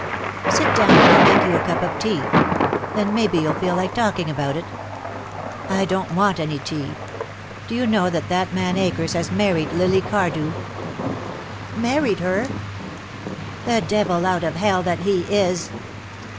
"Sit down and I'll make you a cup of tea. Then maybe you'll feel like talking about it." "I don't want any tea. Do you know that that man Akers has married Lily Cardew?" "Married her!" "The devil out of hell that he is."